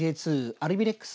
アルビレックス